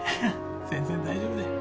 全然大丈夫だよ。